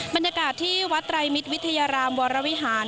บรรยากาศที่วัดไตรมิตรวิทยารามวรวิหาร